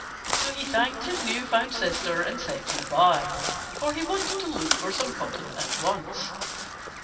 So he thanked his new found sister and said good by, for he wanted to look for some cotton at once.